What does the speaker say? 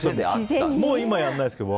もう今はやらないけど。